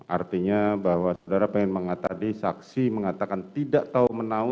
artinya bahwa saudara ingin mengatakan di saksi mengatakan tidak tahu menau